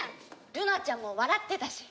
ルナちゃんも笑ってたし。